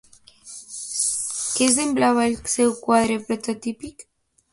Què semblava el seu quadre prototípic?